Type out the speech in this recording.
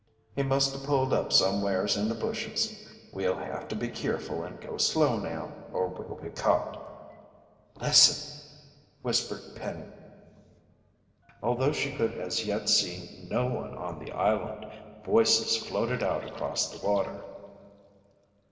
"He musta pulled up somewheres in the bushes. We'll have to be keerful and go slow now or we'll be caught." "Listen!" whispered Penny. Although she could as yet see no one on the island, voices floated out across the water.